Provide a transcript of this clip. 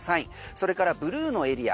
それからブルーのエリア